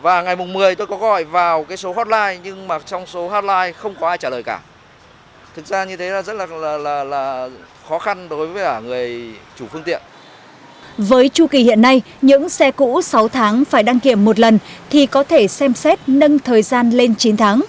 với chu kỳ hiện nay những xe cũ sáu tháng phải đăng kiểm một lần thì có thể xem xét nâng thời gian lên chín tháng